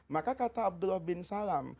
maka kata abdullah bin salam